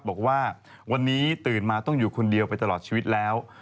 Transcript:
บอกว่าวันนี้ตื่นมาต้องอยู่คนเดียวไปตลอดชีวิตแล้ว